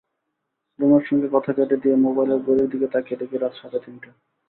রুনার সঙ্গে কথা কেটে দিয়ে মোবাইলের ঘড়ির দিকে তাকিয়ে দেখি রাত সাড়ে তিনটা।